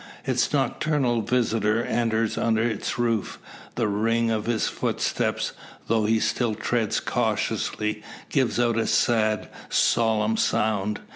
Its nocturnal visitor enters under its roof. The ring of his footsteps, though he still treads cautiously, gives out a sad, solemn sound.